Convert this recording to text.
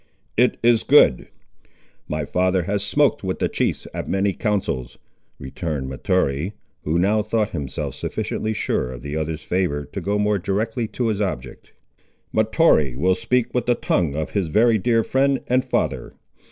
"It is good. My father has smoked with the chiefs at many councils," returned Mahtoree, who now thought himself sufficiently sure of the other's favour to go more directly to his object. "Mahtoree will speak with the tongue of his very dear friend and father.